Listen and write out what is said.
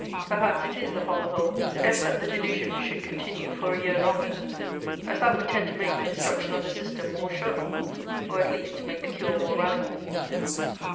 Perhaps it is, upon the whole, best that the delusion should continue for a year longer; as that would tend to make the destruction of the system more sure, or, at least, make the cure more radical.